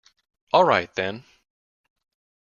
All right, then.